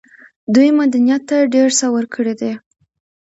دوی مدنيت ته ډېر څه ورکړي دي.